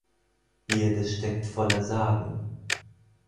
Bierde steckt voller Sagen.